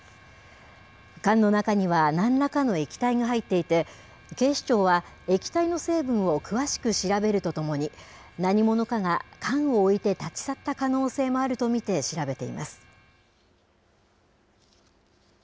缶の中には、なんらかの液体が入っていて、警視庁は液体の成分を詳しく調べるとともに、何者かが缶を置いて立ち去った可能性もあると見て、調べています。